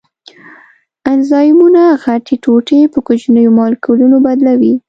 انزایمونه غټې ټوټې په کوچنیو مالیکولونو بدلوي.